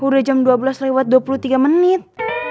udah jam dua belas lewat dua puluh tiga menit